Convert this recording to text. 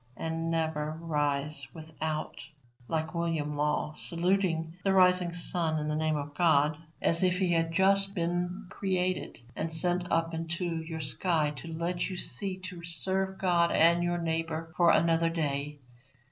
And never rise without, like William Law, saluting the rising sun in the name of God, as if he had just been created and sent up into your sky to let you see to serve God and your neighbour for another day.